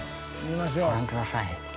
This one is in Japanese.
ご覧ください。